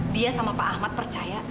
dia sama pak ahmad percaya